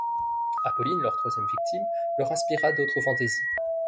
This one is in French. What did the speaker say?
Apolline, leur troisième victime, leur inspira d'autres fantaisies.